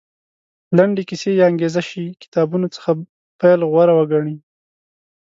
لنډې کیسې یا انګېزه شي کتابونو څخه پیل غوره وګڼي.